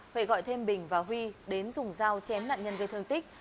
huệ gọi thêm bình và huy đến dùng dao chém nạn nhân gây thương tích